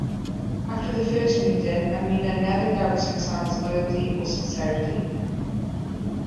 After the first meeting, Aminah never doubt's Hassan's loyalty or sincerity.